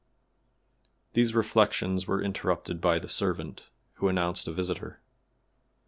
These reflections were interrupted by the servant, who announced a visitor.